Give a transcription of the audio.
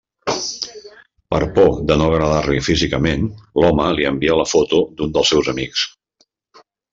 Per por de no agradar-li físicament, l'home li envia la foto d'un dels seus amics.